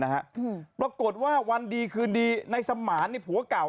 ฮ่าฮ่าฮ่าฮ่าฮ่า